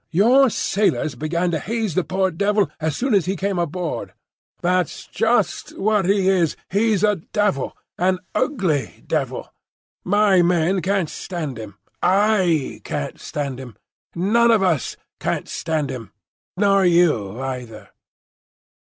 "Your sailors began to haze the poor devil as soon as he came aboard." "That's just what he is—he's a devil! an ugly devil! My men can't stand him. I can't stand him. None of us can't stand him. Nor you either!"